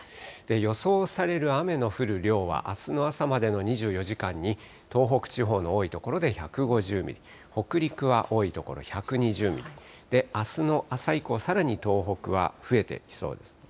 予想される雨の降る量は、あすの朝までの２４時間に、東北地方の多い所で１５０ミリ、北陸は多い所１２０ミリ、あすの朝以降、さらに東北は増えてきそうですね。